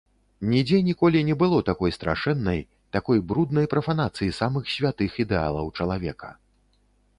Нідзе ніколі не было такой страшэннай, такой бруднай прафанацыі самых святых ідэалаў чалавека.